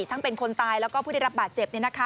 เป็นคนตายแล้วก็ผู้ได้รับบาดเจ็บ